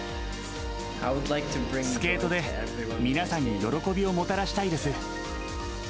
スケートで、皆さんに喜びをもたらしたいです。